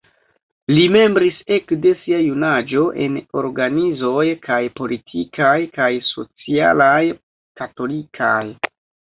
Li membris ekde sia junaĝo en organizoj kaj politikaj kaj socialaj katolikaj.